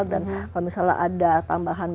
dan kalau misalnya ada tambahan benda